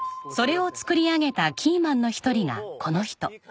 それを作り上げたキーマンの１人がこの人。